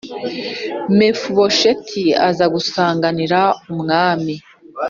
Mefibosheti aza gusanganira umwami